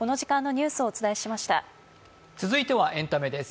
続いてはエンタメです。